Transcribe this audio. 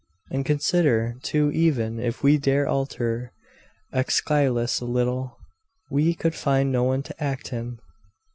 'And consider, too, even if we dare alter Aeschylus a little, we could find no one to act him.